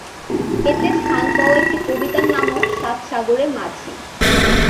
এতে স্থান পাওয়া একটি কবিতার নামও সাত সাগরের মাঝি।